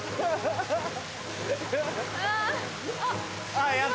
あっ！